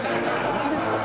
本当ですか？